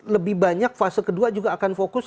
lebih banyak fase kedua juga akan fokus